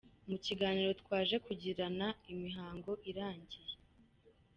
Mu kiganiro twaje kugirana imihango irangiye,